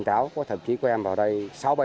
đầu óc của các em bây giờ vào là chưa tỉnh táo